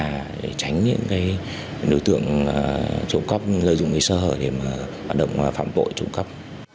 để tránh những cái đối tượng trộm cắp lợi dụng người sơ hở để mà hoạt động phạm bội trộm cắp